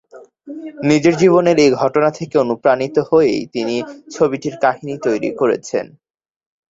নিজের জীবনের এই ঘটনা থেকে অণুপ্রাণিত হয়েই তিনি ছবিটির কাহিনী তৈরি করেছেন।